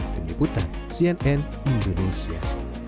penyebutan cnn indonesia